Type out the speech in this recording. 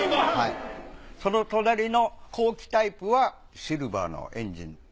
その隣の後期タイプはシルバーのエンジン。